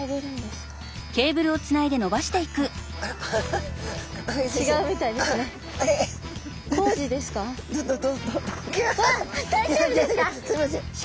すいません。